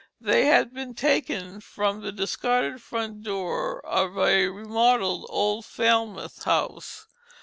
They had been taken from the discarded front door of a remodelled old Falmouth house.